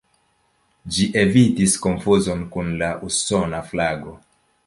Ĝi evitis konfuzon kun la usona flago.